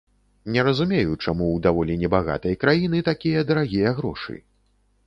Не разумею, чаму ў даволі небагатай краіны такія дарагія грошы.